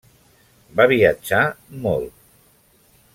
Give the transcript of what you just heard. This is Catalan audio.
Va viatjar molt.